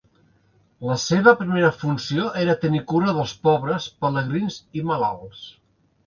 La seva primera funció era tenir cura dels pobres, pelegrins i malalts.